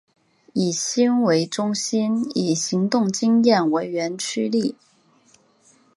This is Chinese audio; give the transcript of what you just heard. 以心为中心以行动经验为原驱力。